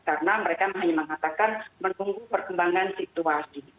karena mereka hanya mengatakan menunggu perkembangan situasi